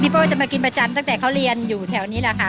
โป้จะมากินประจำตั้งแต่เขาเรียนอยู่แถวนี้แหละค่ะ